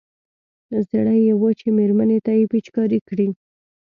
زړه يې و چې مېرمنې ته يې پېچکاري کړي.